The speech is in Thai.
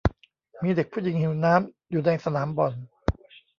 มีเด็กผู้หญิงหิวน้ำอยู่ในสนามบอล